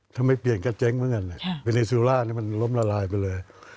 ถ้าไม่เปลี่ยนก็เจ๊งไปกันเวเนซิวล่าคือล้มละลายไปเลย